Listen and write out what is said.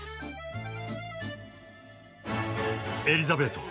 エリザベート